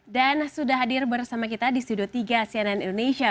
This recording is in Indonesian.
dan sudah hadir bersama kita di studio tiga cnn indonesia